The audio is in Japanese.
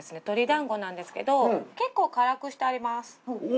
鶏団子なんですけど結構辛くしてあります。